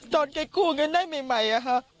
ตอนแกกู้เงินได้ใหม่อะค่ะ